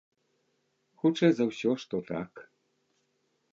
Хутчэй за ўсё, што так.